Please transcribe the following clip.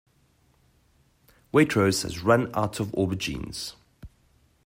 Waitrose has run out of aubergines